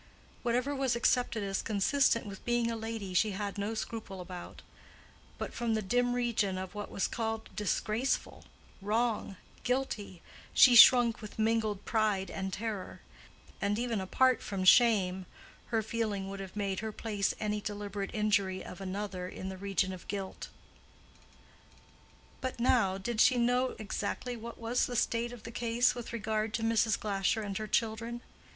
Whatever was accepted as consistent with being a lady she had no scruple about; but from the dim region of what was called disgraceful, wrong, guilty, she shrunk with mingled pride and terror; and even apart from shame, her feeling would have made her place any deliberate injury of another in the region of guilt. But now—did she know exactly what was the state of the case with regard to Mrs. Glasher and her children?